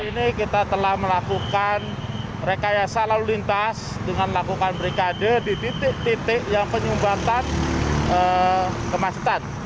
ini kita telah melakukan rekayasa lalu lintas dengan lakukan brikade di titik titik yang penyumbatan kemacetan